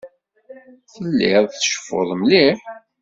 Telliḍ tceffuḍ mliḥ.